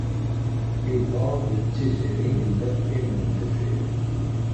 Yuba akked Tiziri llan qimen deffir.